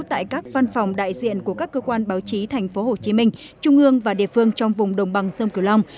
tại các văn phòng đại diện của các cơ quan báo chí thành phố hồ chí minh trung ương và địa phương trong vùng đồng bằng sông cửu long